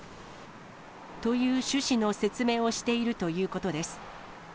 という趣旨の説明をしているということです。